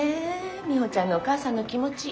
ミホちゃんのお母さんの気持ち。